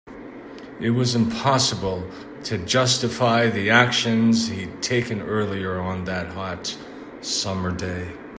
It was impossible to justify the actions he'd taken earlier on that hot, summer day.